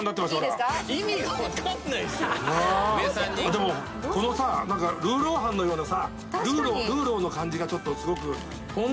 でもこのさルーロー飯のようなさルーローの感じがちょっとすごく。